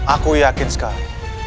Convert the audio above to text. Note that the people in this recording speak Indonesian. aku yakin sekali